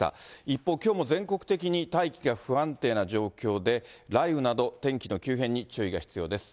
一方、きょうも全国的に大気が不安定な状況で、雷雨など、天気の急変に注意が必要です。